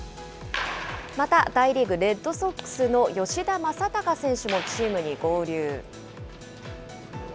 また大リーグ・レッドソックスの吉田正尚選手もチームに合流。